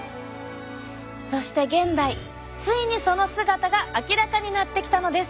そして現代ついにその姿が明らかになってきたのです。